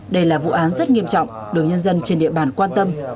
đây là vụ án rất nghiêm trọng được nhân dân trên địa bàn quan tâm